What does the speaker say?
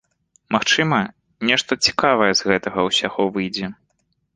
Магчыма, нешта цікавае з гэтага ўсяго выйдзе.